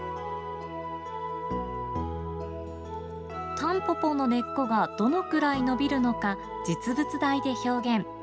たんぽぽの根っこがどのくらい伸びるのか実物大で表現。